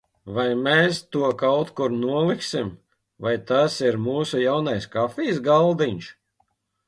Vai mēs to kaut kur noliksim, vai tas ir mūsu jaunais kafijas galdiņš?